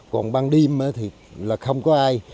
còn ban đêm thì là không có ai